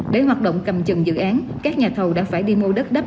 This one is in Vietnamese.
để hoạt động cầm chừng dự án các nhà thầu đã phải đi mua đất đắp